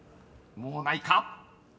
［もうないか？］